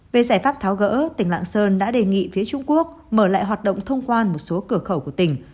về giải pháp tháo gỡ tỉnh lạng sơn đã đề nghị phía trung quốc mở lại hoạt động thông quan một số cửa khẩu của tỉnh